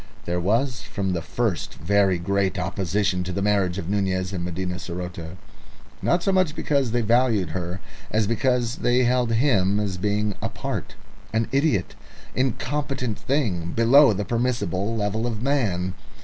There was from the first very great opposition to the marriage of Nunez and Medina saroté; not so much because they valued her as because they held him as a being apart, an idiot, incompetent thing below the permissible level of a man.